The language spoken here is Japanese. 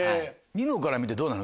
ニノから見てどうなの？